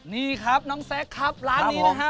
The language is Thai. นี่ครับน้องแซคครับร้านนี้นะฮะ